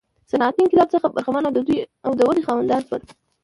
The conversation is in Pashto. صنعتي انقلاب څخه برخمن او د ودې خاوندان شول.